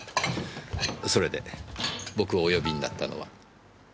それで僕をお呼びになったのは？